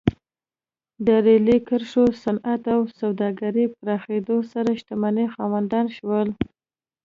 د ریلي کرښو، صنعت او سوداګرۍ پراخېدو سره شتمنۍ خاوندان شول.